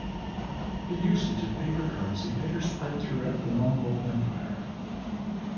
The usage of paper currency later spread throughout the Mongol Empire.